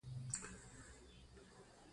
کلتور د افغانستان د جغرافیوي تنوع مثال دی.